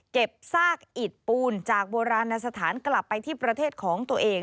ซากอิดปูนจากโบราณสถานกลับไปที่ประเทศของตัวเอง